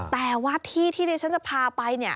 แต่ว่าที่ที่ฉันจะพาไปเนี่ย